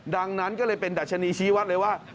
ดังนั้นก็เลยเป็นดัชนีชี้วัดเลยว่า